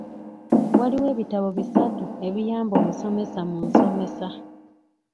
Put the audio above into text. Waliwo ebitabo bisatu ebiyamba omusomesa mu nsomesa.